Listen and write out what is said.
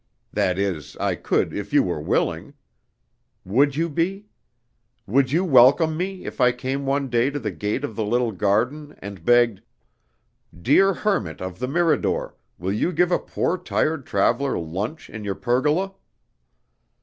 That is, I could if you were willing. Would you be? Would you welcome me if I came one day to the gate of the little garden, and begged, 'Dear Hermit of the Mirador, will you give a poor tired traveler lunch in your pergola?'